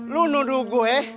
lo nuduh gue